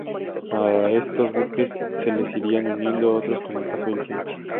A estos buques se les irían uniendo otros con el paso del tiempo.